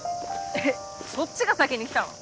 えっそっちが先にきたの？